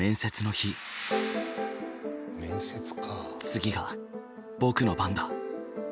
次が僕の番だ。